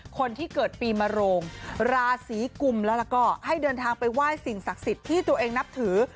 คนที่เกิดปีมโรงราศีกุมแล้วก็ให้เดินทางไปไหว้สิ่งศักดิ์สิทธิ์ที่ตัวเองนับถือ